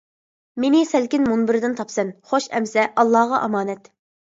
مېنى سەلكىن مۇنبىرىدىن تاپىسەن، خوش ئەمسە، ئاللاغا ئامانەت!